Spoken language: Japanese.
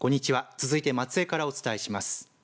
続いて松江からお伝えします。